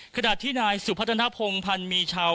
ขณะที่นายสุภัทนาพลงพันธ์หมีเชา